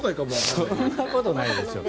そんなことないですよ。